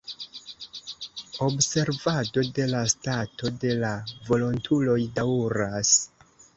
Observado de la stato de la volontuloj daŭras.